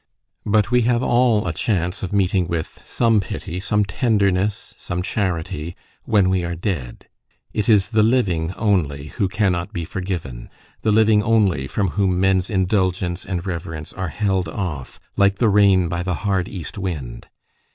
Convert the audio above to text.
But we have all a chance of meeting with some pity, some tenderness, some charity, when we are dead: it is the living only who cannot be forgiven the living only from whom men's indulgence and reverence are held off, like the rain by the hard east wind.